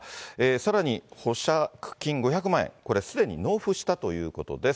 さらに、保釈金５００万円、これ、すでに納付したということです。